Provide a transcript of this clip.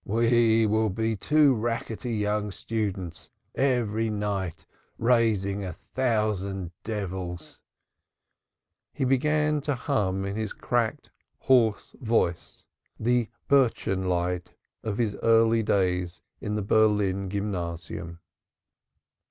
"We shall be two rackety young students, every night raising a thousand devils. Gaudeamus igitur." He began to hum in his cracked hoarse voice the Burschen lied of his early days at the Berlin Gymnasium.